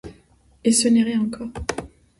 Et ce n’est rien encore.